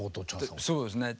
そうですね。